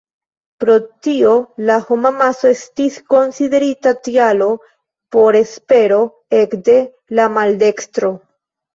Pro tio la homamaso estis konsiderita tialo por espero ekde la maldekstro.